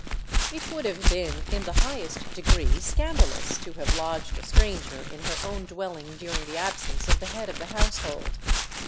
It would have been in the highest degree scandalous to have lodged a stranger in her own dwelling during the absence of the head of the household.